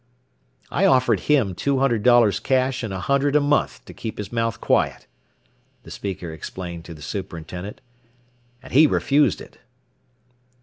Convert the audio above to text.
"I offered him two hundred dollars cash and a hundred a month to keep his mouth quiet," the speaker explained to the superintendent, "and he refused it."